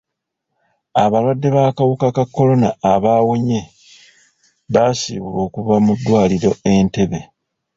Abalwadde b'akawuka ka kolona abaawonye baasiibulwa okuva mu ddwaliro Entebbe.